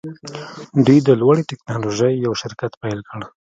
دوی د لوړې ټیکنالوژۍ یو شرکت پیل کړ